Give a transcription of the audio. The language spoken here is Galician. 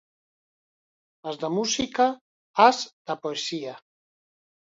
As da música ás da poesía.